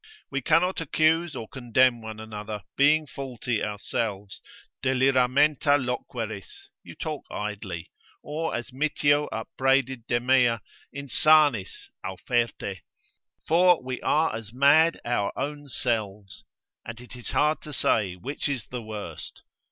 We cannot accuse or condemn one another, being faulty ourselves, deliramenta loqueris, you talk idly, or as Mitio upbraided Demea, insanis, auferte, for we are as mad our own selves, and it is hard to say which is the worst.